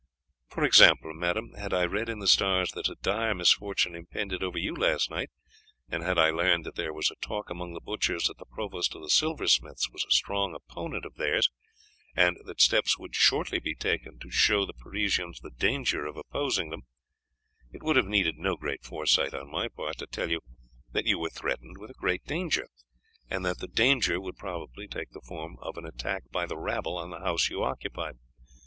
For example, madame, had I read in the stars that a dire misfortune impended over you last night, and had I learned that there was a talk among the butchers that the provost of the silversmiths was a strong opponent of theirs, and that steps would shortly be taken to show the Parisians the danger of opposing them, it would have needed no great foresight on my part to tell you that you were threatened with a great danger, and that the danger would probably take the form of an attack by the rabble on the house you occupied.